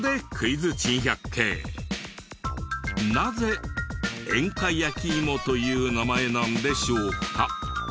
なぜ「演歌やきいも」という名前なんでしょうか？